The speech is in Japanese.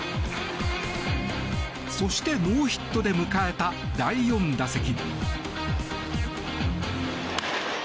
そして、ノーヒットで迎えた第４打席。